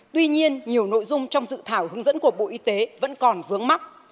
tuy nhiên nhiều nội dung trong dự thảo hướng dẫn của bộ y tế vẫn còn vướng mắt